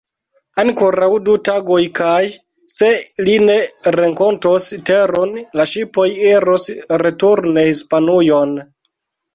Ankoraŭ du tagoj kaj, se li ne renkontos teron, la ŝipoj iros returne Hispanujon.